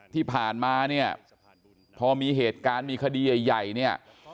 ที่ผ่านมาเนี่ยพอมีเหตุการณ์มีคดีใหญ่เนี่ย